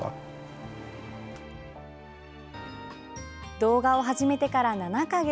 動画を始めてから７か月。